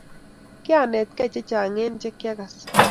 kianetkee chechang en che kiagas